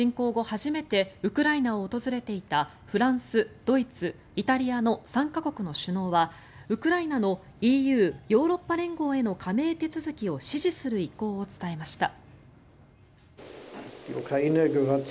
初めてウクライナを訪れていたフランス、ドイツ、イタリアの３か国の首脳はウクライナのＥＵ・ヨーロッパ連合への加盟手続きを支持する意向を伝えました。